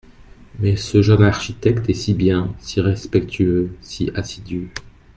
Mais ce jeune architecte est si bien… si respectueux… si assidu…